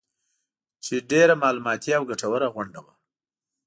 چې ډېره معلوماتي او ګټوره غونډه وه